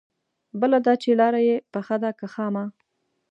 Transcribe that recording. بله دا چې لاره يې پخه ده که خامه؟